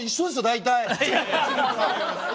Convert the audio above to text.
大体。